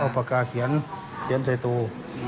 เอาปากกาเขียนเขียนใส่ตัว